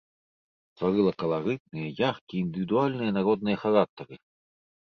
Стварыла каларытныя, яркія індывідуальныя народныя характары.